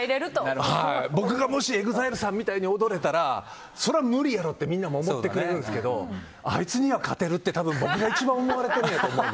もし僕がＥＸＩＬＥさんみたいに踊れたらそら無理やろってみんなも思ってくれるんですけどあいつには勝てるって僕が一番思われていると思う。